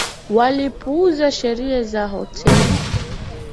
Walipuuza sheria za hoteli